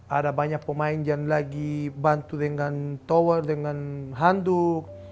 ada banyak pemain yang lagi bantu dengan tower dengan handuk